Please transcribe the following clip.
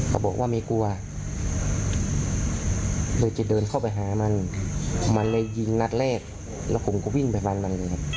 ก็บอกว่าไม่กลัวโดยจะเดินเขาไปหามรมันไม่ยิงนัดแรกแล้วผมก็วิ่งไปหรอกมันเลย